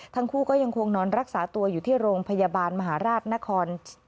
ทั้งคู่ก็ยังคงนอนรักษาตัวอยู่ที่โรงพยาบาลมหาราชนคร